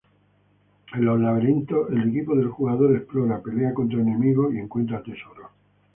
En los laberintos, el equipo del jugador explora, pelea contra enemigos y encuentra tesoros.